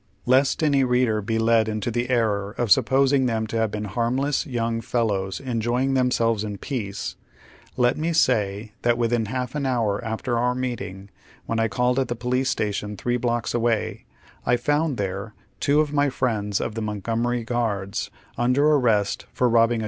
Lest any reader be led into the error of supposing them to have been harmless young fellows enjoying themselves in peace, let me say that within half an hour after our meeting, when I eaUed at the police station three blocks away, I found there two of my friends of the "Montgomery Guards" under arrest for robbing a